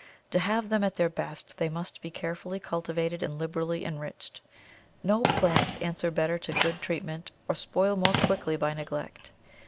To have them at their best they must be carefully cultivated and liberally enriched. No plants answer better to good treatment, or spoil more quickly by neglect.